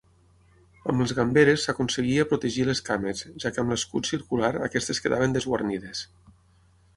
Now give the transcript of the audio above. Amb les gamberes s'aconseguia protegir les cames, ja que amb l'escut circular aquestes quedaven desguarnides.